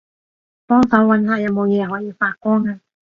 幫手搵下有冇嘢可以發光吖